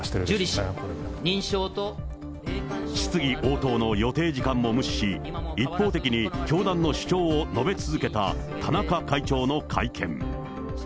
質疑応答の予定時間も無視し、一方的に教団の主張を述べ続けた田中会長の会見。